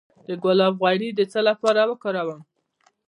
د ګلاب غوړي د څه لپاره وکاروم؟